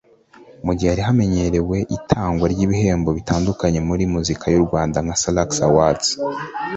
Mu gihe hari hamenyerewe itangwa ry’ibihembo bitandukanye muri muzika y’u Rwanda nka Salax Awards